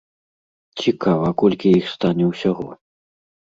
Цікава, колькі іх стане ўсяго?